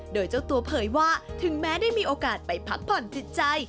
โดยเจ้าตัวเผยว่าถึงแม้ได้มีโอกาสไปพักผ่อนจิตใจ